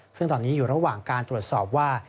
ซึ่งตอนนี้อยู่ระหว่างการตรวจสอบว่า